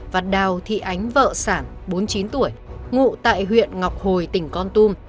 và đào thị ánh vợ sản bốn mươi chín tuổi ngụ tại huyện ngọc hồi tỉnh con tum